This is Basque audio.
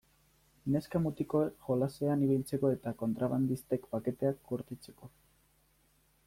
Neska-mutikoek jolasean ibiltzeko eta kontrabandistek paketeak gordetzeko.